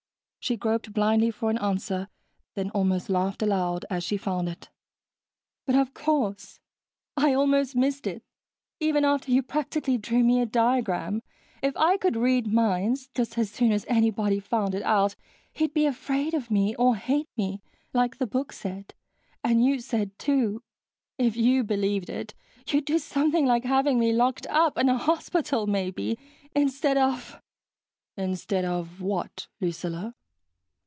She groped blindly for an answer, then almost laughed aloud as she found it. "But of course. I almost missed it, even after you practically drew me a diagram. If I could read minds, just as soon as anybody found it out, he'd be afraid of me, or hate me, like the book said, and you said, too. If you believed it, you'd do something like having me locked up in a hospital, maybe, instead of...." "Instead of what, Lucilla?"